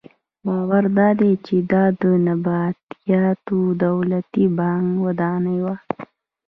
باور دادی چې دا د نبطیانو د دولتي بانک ودانۍ وه.